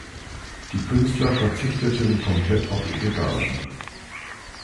Die Künstler verzichteten komplett auf ihre Gagen.